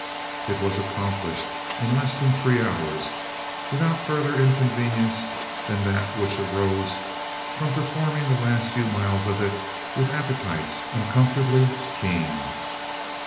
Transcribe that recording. It was accomplished in less than three hours without further inconvenience than that which arose from performing the last few miles of it with appetites uncomfortably keen.